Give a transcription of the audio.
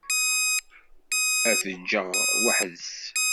Ad t-ǧǧeɣ weḥd-s.